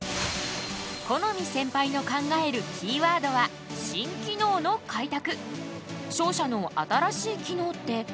許斐センパイの考えるキーワードは「新機能の開拓」。